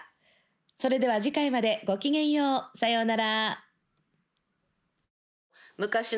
それでは、次回までご機嫌ようさようなら。